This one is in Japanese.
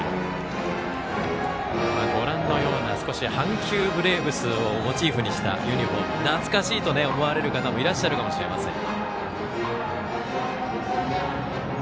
少し阪急ブレーブスをモチーフにしたユニフォーム懐かしいと思われる方もいらっしゃるかもしれません。